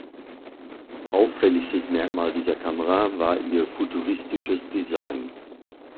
Auffälligstes Merkmal dieser Kamera war ihr futuristisches Design.